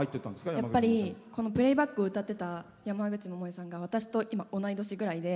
やっぱり、この「プレイバック」を歌ってた山口百恵さんが私と今、同い年ぐらいで。